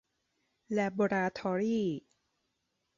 แลบอราทอรีส์